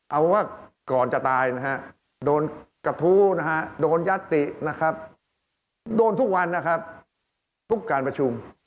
เอาว่าก่อนจะตายโดนกระทู้โดนยัตติโดนทุกวันทุกการประชุม